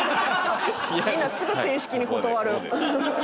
みんなすぐ正式に断る。